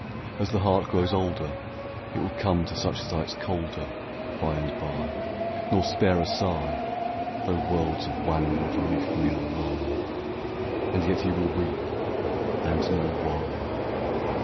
is the heart grows older It will come to such sights colder By and by, nor spare a sigh Though worlds of wanwood leafmeal lie ; And yet you will weep and know why.